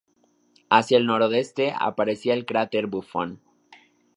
Hacia el nordeste aparece el cráter Buffon.